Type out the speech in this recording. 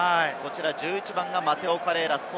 １１番がマテオ・カレーラス。